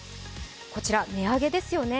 こちら値上げですよね。